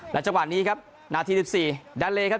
และจังหวะนี้ครับนาที๑๔ดาเลครับ